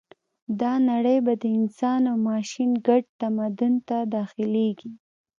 دا نړۍ به د انسان او ماشین ګډ تمدن ته داخلېږي